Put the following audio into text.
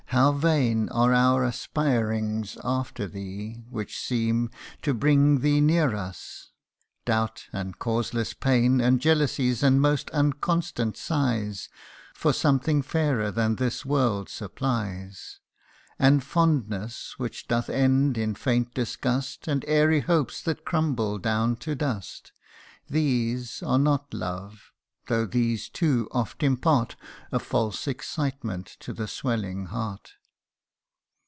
how vain Are our aspirings after thee, which seem To bring thee near us ! doubt and causeless pain, And jealousies, and most unconstant sighs For something fairer than this world supplies ; CANTO IV. 135 And fondness which doth end in faint disgust ; And airy hopes that crumble down to dust ; These are not love, though these too oft impart A false excitement to the swelling heart.